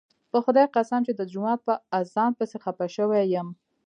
په خدای قسم چې د جومات په اذان پسې خپه شوی یم.